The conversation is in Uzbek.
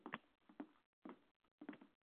Men haqimda esa bunday yozolmaysiz.